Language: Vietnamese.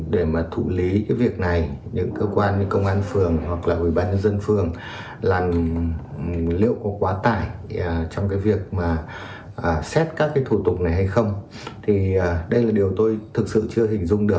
để mà thụ lý cái việc này những cơ quan như công an phường hoặc là ủy ban nhân dân phường là liệu có quá tải trong cái việc mà xét các cái thủ tục này hay không thì đây là điều tôi thực sự chưa hình dung được